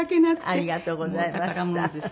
ありがとうございます。